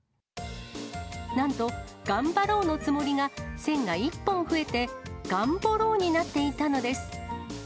なんとがんばろうのつもりが線が一本増えて、がんぼろうになっていたのです。